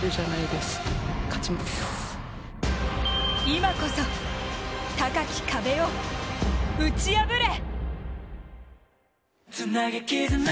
今こそ高き壁を打ち破れ。